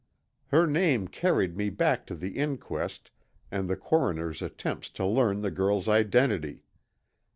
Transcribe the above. Her name carried me back to the inquest and the coroner's attempts to learn the girl's identity.